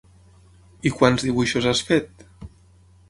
I quants dibuixos has fet?